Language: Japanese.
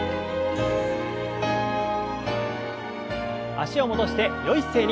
脚を戻してよい姿勢に。